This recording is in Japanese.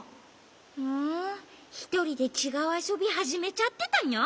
ふんひとりでちがうあそびはじめちゃってたの？